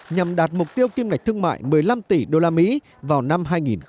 nhằm đạt mục tiêu kim ngạch thương mại một mươi năm tỷ usd vào năm hai nghìn hai mươi